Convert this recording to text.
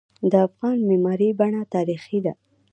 د افغان معماری بڼه تاریخي ده.